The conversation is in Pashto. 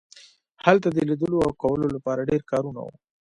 هلته د لیدلو او کولو لپاره ډیر کارونه وو